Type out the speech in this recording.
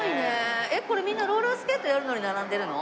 えっこれみんなローラースケートやるのに並んでるの？